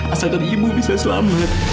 asalkan ibu bisa selamat